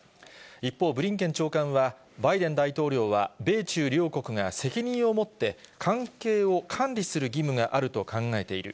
一方、ブリンケン長官は、バイデン大統領は、米中両国が責任を持って関係を管理する義務があると考えている。